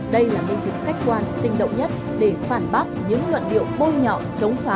đây là nguyên trình khách quan sinh động nhất để phản bác những luận điệu bôi nhọ chống phá